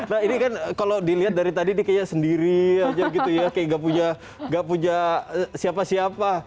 nah ini kan kalau dilihat dari tadi nih kayaknya sendiri aja gitu ya kayak gak punya siapa siapa